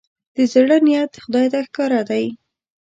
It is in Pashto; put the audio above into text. د زړه نيت خدای ته ښکاره دی.